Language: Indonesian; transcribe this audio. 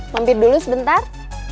lompat dulu sebentar